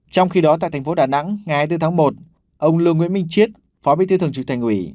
trong khi đó tại thành phố đà nẵng ngày hai mươi bốn tháng một ông lưu nguyễn minh chiết phó bí thư thường trực thành ủy